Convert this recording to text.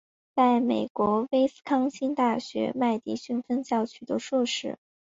在美国威斯康辛大学麦迪逊分校取得硕士。